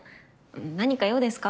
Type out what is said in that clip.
何か用ですか？